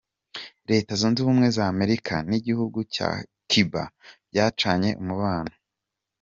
Leta zunze ubumwe za Amerika n’igihugu cya Cuba byacanye umubano.